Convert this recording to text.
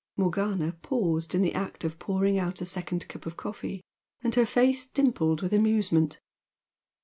Morgana paused in the act of pouring out a second cup of coffee, and her face dimpled with amusement.